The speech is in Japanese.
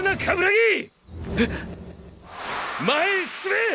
⁉前へ進めェ！！